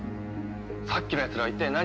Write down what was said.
さっきのやつは一体何？